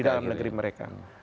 di dalam negeri mereka